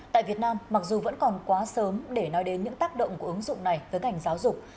tại việt nam mặc dù vẫn còn quá sớm để nói đến những tác động của ứng dụng này với ngành giáo dục